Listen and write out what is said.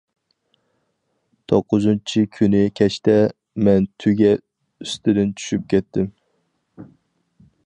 توققۇزىنچى كۈنى كەچتە، مەن تۆگە ئۈستىدىن چۈشۈپ كەتتىم.